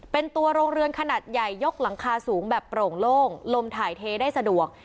เป็นตัวโรงเรือนขนาดใหญ่ยกหลังคาสูงแบบโปร่งโล่งลมถ่ายเทได้สะดวก